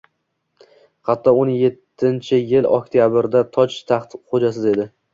Hatto, o‘n yettinchi yil oktyabrida toj-taxt xo‘jasiz edi.